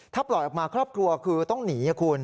ถ้าปล่อยออกมาครอบครัวคือต้องหนีคุณ